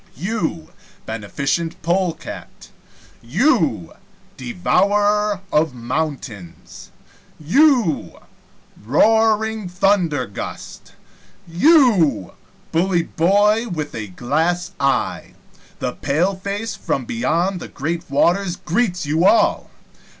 You, Beneficent Polecat you, Devourer of Mountains you, Roaring Thundergust you, Bully Boy with a Glass eye the paleface from beyond the great waters greets you all!